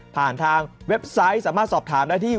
ผ่านทางเว็บไซต์สามารถสอบถามได้ที่